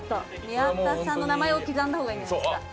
宮田さんの名前を刻んだ方がいいんじゃないですか